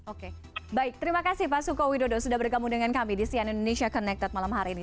oke baik terima kasih pak suko widodo sudah bergabung dengan kami di sian indonesia connected malam hari ini